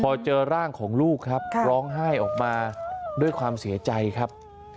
พอเจอร่างของลูกครับร้องไห้ออกมาด้วยความเสียใจครับ